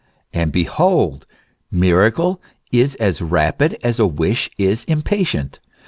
And behold ! miracle is as rapid as a wish is impatient.